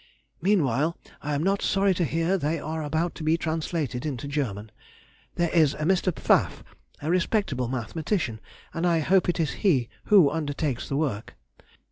Meanwhile I am not sorry to hear they are about to be translated into German. There is a Mr. Pfaff, a respectable mathematician, and I hope it is he who undertakes the work.